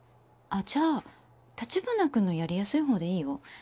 あっじゃあ橘くんのやりやすいほうでいいよ。